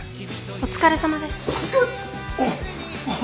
お疲れさまです。